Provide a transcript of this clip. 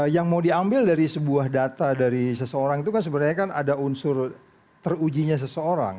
yang mau diambil dari sebuah data dari seseorang itu kan sebenarnya kan ada unsur terujinya seseorang